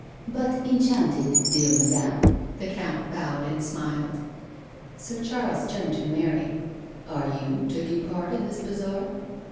" But enchanted, dear Madame "—the Count bowed and smiled. Sir Charles turned to Mary: "Are you taking part in this bazaar?"